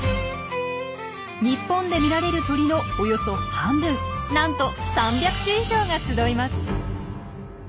日本で見られる鳥のおよそ半分なんと３００種以上が集います。